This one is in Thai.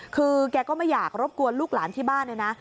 คือแกก็ไม่อยากรบกวนลูกหลานที่บ้านเลยนะ